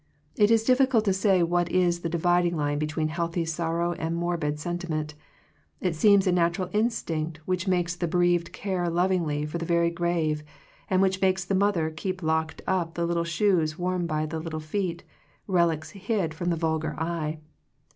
It is difficult to say what is the dividing line between healthy sorrow and morbid sentiment. It seems a nat ural instinct, which makes the bereaved care lovingly for the very grave, and which makes the mother keep locked up the little shoes worn by the little feet, relics hid from the vulgar eye.